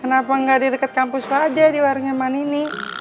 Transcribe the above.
kenapa gak di deket kampus lo aja di warungnya manini